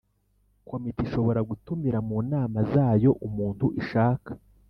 Komite ishobora gutumira mu nama zayo umuntu ishaka